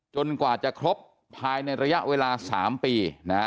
กว่าจะครบภายในระยะเวลา๓ปี